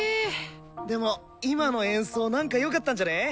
でも今の演奏なんかよかったんじゃね？